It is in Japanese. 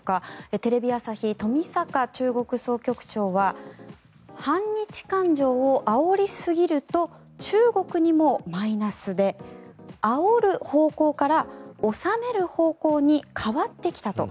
テレビ朝日、冨坂中国総局長は反日感情をあおりすぎると中国にもマイナスであおる方向から収める方向に変わってきたと。